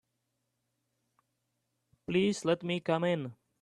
Please let me come in.